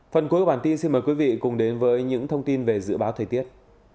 phần cuối của bản tin xin mời quý vị cùng đến với những thông tin về dự báo thời tiết